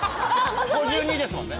５２ですもんね